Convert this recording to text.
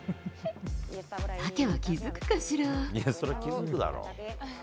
タケは気付くかしら？